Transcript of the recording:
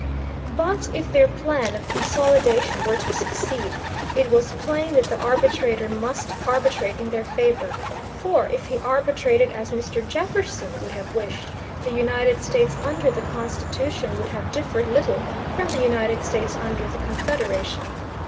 But if their plan of consolidation were to succeed, it was plain that the arbitrator must arbitrate in their favor, for if he arbitrated as Mr. Jefferson would have wished, the United States under the Constitution would have differed little from the United States under the Confederation.